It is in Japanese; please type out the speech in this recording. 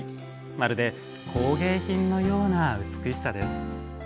まるで工芸品のような美しさです。